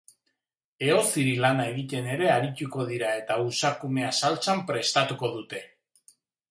Ehoziri-lana egiten ere arituko dira eta usakumea saltsan prestatuko dute.